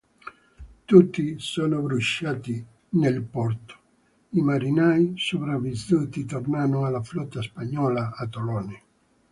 Tutti sono bruciati nel porto, i marinai sopravvissuti tornano alla flotta spagnola a Tolone.